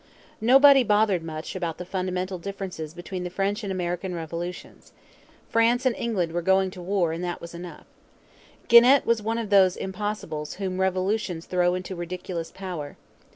Nobody bothered about the fundamental differences between the French and American revolutions. France and England were going to war and that was enough. Genet was one of those 'impossibles' whom revolutions throw into ridiculous power.